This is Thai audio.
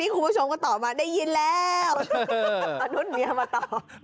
นี่คลุมผู้ชมก็ตอบมาได้ยินแล้ว